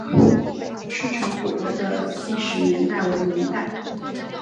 赤城鼓楼的历史年代为明代。